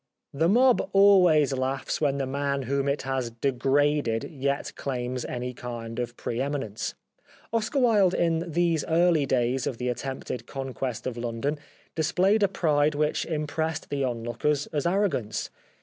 The mob always laughs when the man whom it has degraded yet claims any kind of pre eminence. Oscar Wilde in these early days of the attempted Conquest of London displayed a pride which impressed the onlookers as arrogance.